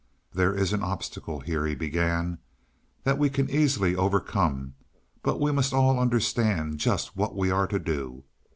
"There is an obstacle here," he began, "that we can easily overcome; but we must all understand just what we are to do.